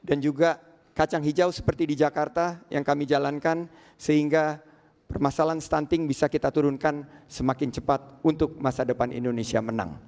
dan juga kacang hijau seperti di jakarta yang kami jalankan sehingga permasalahan stunting bisa kita turunkan semakin cepat untuk masa depan indonesia menang